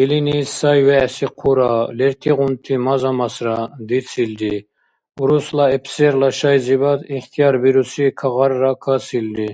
Илини сай-вегӀси хъура, лертигъунти маза-масра дицилри, урусла эпсерла шайзибад ихтиярбируси кагъарра касилри.